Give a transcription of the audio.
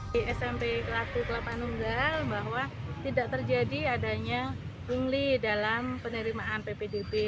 di smp kelaku kelapanunggal bahwa tidak terjadi adanya pungli dalam penerimaan ppdb